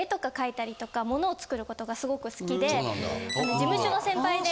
事務所の先輩で。